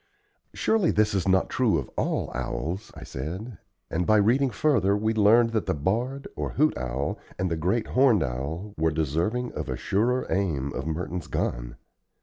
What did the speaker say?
"Surely, this is not true of all owls," I said, and by reading further we learned that the barred, or hoot owl, and the great horned owl, were deserving of a surer aim of Merton's gun.